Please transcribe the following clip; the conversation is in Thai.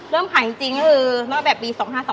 เริ่มขายจริงเนาะแบบปี๒๕๒๙